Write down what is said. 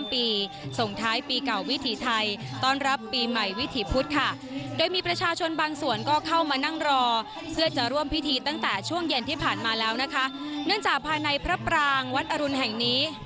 พิธีตั้งแต่ช่วงเย็นที่ผ่านมาแล้วนะคะเนื่องจากภายในพระปรางวัดอรุณแห่งนี้